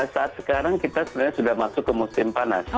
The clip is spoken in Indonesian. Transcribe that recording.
saat sekarang kita sebenarnya sudah masuk ke musim panas